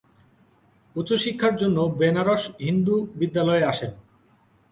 উচ্চশিক্ষার জন্য বেনারস হিন্দু বিদ্যালয়ে আসেন।